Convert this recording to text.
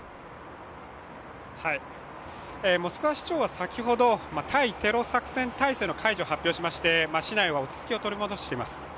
モスクワ市長が先ほど対テロ作戦体制の解除を発表しまして市内は落ち着きを取り戻しています。